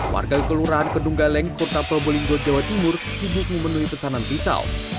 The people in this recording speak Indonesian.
warga kelurahan kedung galeng kota pobolinggo jawa timur sibuk memenuhi pesanan pisau